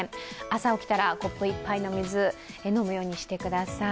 朝起きたらコップ１杯の水、飲むようにしてください。